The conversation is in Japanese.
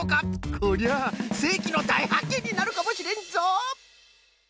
こりゃあせいきのだいはっけんになるかもしれんぞ。